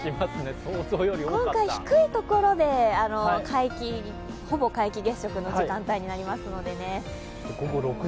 今回低いところで、ほぼ皆既月食の時間帯になりますのでね。